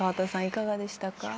いかがでしたか？